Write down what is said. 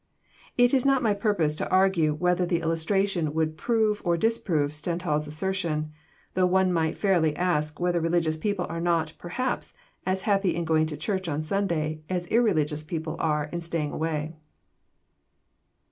It is not my purpose to argue whether the illustration would prove or disprove Stendhal's assertion, though one might fairly ask whether religious people are not, perhaps, as happy in going to church on Sunday as irreligious people are in staying away.